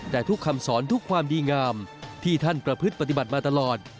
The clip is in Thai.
แต่ทุกคำสอนทุกความดีงามที่ท่านประพฤติปฏิบัติมาตลอด